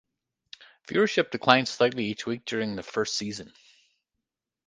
Viewership declined slightly each week during the first season.